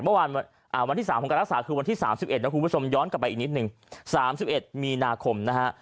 เมื่อวานวันที่๓ของการรักษาคือวันที่๓๑นะคุณผู้ชมย้อนกลับไปอีกนิดนึง๓๑มีนาคมนะฮะ